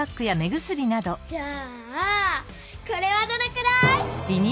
じゃあこれはどれくらい？